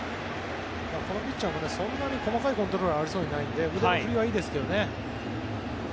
このピッチャーもそんなに細かいコントロールがありそうにはないので腕の振りはいいですけどね。